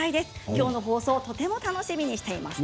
きょうの放送をとても楽しみにしています。